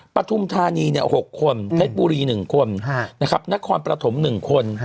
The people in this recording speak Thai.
ประธุมธานีเนี่ย๖คนเทศบุรี๑คนนะครับนครประถม๑คน